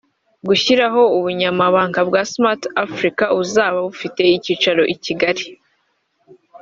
gushyiraho ubunyamabanga bwa Smart Africa buzaba bufite ikicaro i Kigali